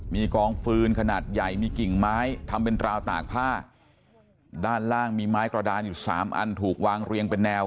มีกองฟืนขนาดใหญ่มีกิ่งไม้ทำเป็นราวตากผ้าด้านล่างมีไม้กระดานอยู่สามอันถูกวางเรียงเป็นแนว